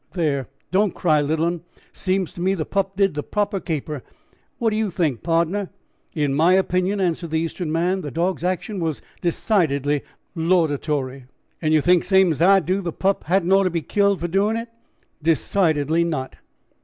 "There, don't cry, little un; seems to me the purp did the proper caper. What do you think, pardner?" "In my opinion," answered the Eastern man, "the dog's action was decidedly laudatory." "And yer think same as I do that the pup hadn't ought to be killed for doin' it?" "Decidedly not."